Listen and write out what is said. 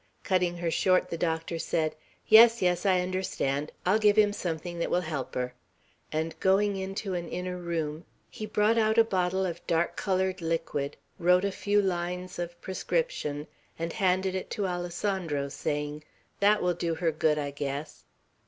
Cutting her short, the doctor said, "Yes, yes, I understand. I'll give him something that will help her;" and going into an inner room, he brought out a bottle of dark colored liquid, wrote a few lines of prescription, and handed it to Alessandro, saying, "That will do her good, I guess."